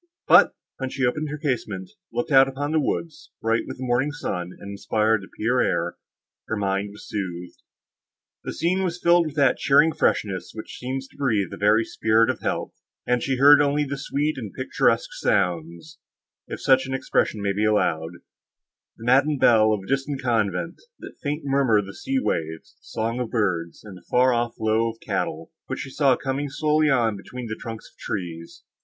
But, when she opened her casement, looked out upon the woods, bright with the morning sun, and inspired the pure air, her mind was soothed. The scene was filled with that cheering freshness, which seems to breathe the very spirit of health, and she heard only sweet and picturesque sounds, if such an expression may be allowed—the matin bell of a distant convent, the faint murmur of the sea waves, the song of birds, and the far off low of cattle, which she saw coming slowly on between the trunks of trees.